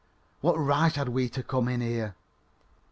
What right had we to come in here?"